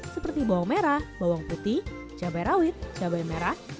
seperti bawang merah bawang putih cabai rawit cabai merah